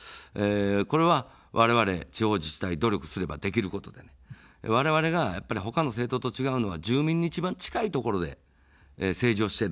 これはわれわれ地方自治体、努力すればできることで、われわれがほかの政党と違うのは住民に一番近いところで政治をしている。